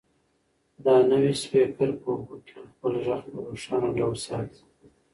دا نوی سپیکر په اوبو کې هم خپل غږ په روښانه ډول ساتي.